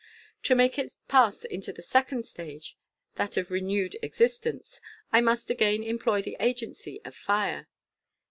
To make it pass into the second stage, that of renewed existence, I must again employ the agency of fire.